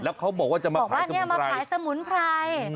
แล้วเขาบอกว่าจะมาขายมาขายสมุนไพร